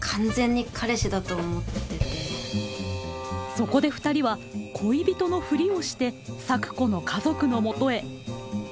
そこでふたりは恋人のフリをして咲子の家族のもとへ。